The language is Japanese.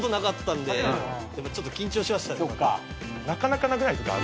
なかなかなくないっすか？